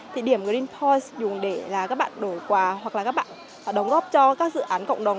thì điểm greenpoint dùng để là các bạn đổi quà hoặc là các bạn đóng góp cho các dự án cộng đồng